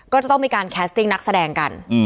ก็จะต้องมีการแคสติ้งนักแสดงกัน